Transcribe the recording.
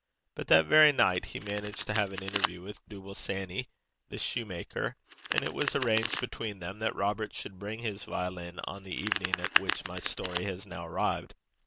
But that very night he managed to have an interview with Dooble Sanny, the shoemaker, and it was arranged between them that Robert should bring his violin on the evening at which my story has now arrived.